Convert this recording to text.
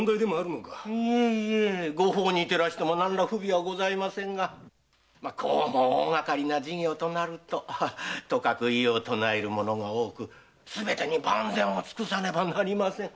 いえ御法に照らしても何ら不備はございませんがこうも大がかりな事業となるととかく異を唱える者が多くすべてに万全を尽くさねばなりません。